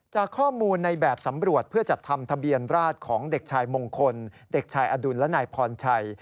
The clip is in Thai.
จากข้อมูลในแบบสำรวจเพื่อจัดทำทะเบียนราชของเด็กชายมงคลเด็กชายอดุลและนายพรชัย